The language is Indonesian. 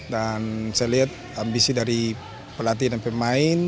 dan saya lihat ambisi dari pelatih dan pemain